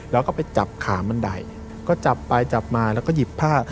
แล้วก็ไปจับขาบันไดก็จับไปจับมาแล้วก็หยิบผ้า